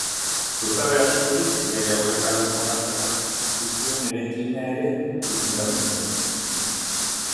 Zutabeak soilik bere aurrealdeko fatxadan dituen eraikina ere izendatzen du.